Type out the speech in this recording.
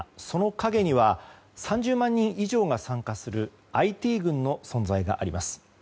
その陰には３０万人以上が参加するＩＴ軍の存在があります。